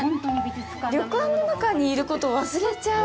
旅館の中いることを忘れちゃう。